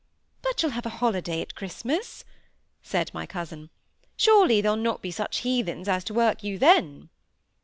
"But you'll have a holiday at Christmas," said my cousin. "Surely they'll not be such heathens as to work you then?"